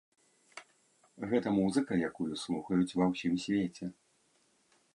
Гэта музыка, якую слухаюць ва ўсім свеце.